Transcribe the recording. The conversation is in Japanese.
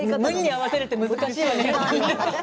合わせるのって難しいわね。